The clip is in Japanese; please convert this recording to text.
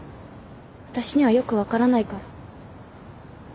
私にはよく分からないから。